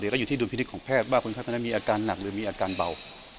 ก็อยู่ที่ดุลพินิษฐของแพทย์ว่าคนไข้คนนั้นมีอาการหนักหรือมีอาการเบา